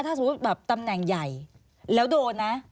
ถ้าสมมุติแบบตำแหน่งใหญ่แล้วโดนนะ